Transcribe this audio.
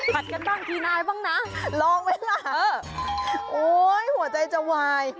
กันบ้างทีนายบ้างนะลองไหมล่ะโอ้ยหัวใจจะวาย